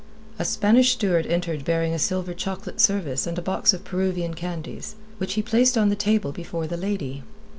A Spanish steward entered bearing a silver chocolate service and a box of Peruvian candies, which he placed on the table before the lady.